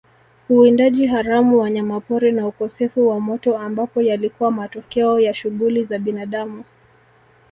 Uwindaji haramu wanyamapori na ukosefu wa moto ambapo yalikuwa matokeo ya shughuli za binadamu